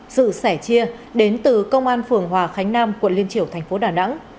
sự sẻ chia đến từ công an phường hòa khánh nam quận liên triểu thành phố đà nẵng